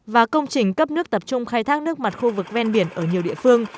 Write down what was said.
và công trình cấp nước tập trung khai thác nước mặt khu vực ven biển ở nhiều địa phương